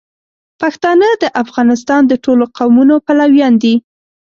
پښتانه د افغانستان د ټولو قومونو پلویان دي.